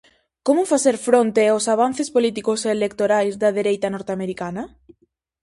Como facer fronte aos avances políticos e electorais da dereita norteamericana?